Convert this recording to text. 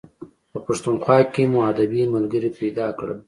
په پښتونخوا کې مو ادبي ملګري پیدا کړل.